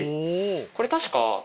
これ確か。